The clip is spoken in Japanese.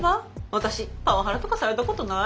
私パワハラとかされたことないわ。